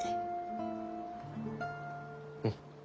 うん。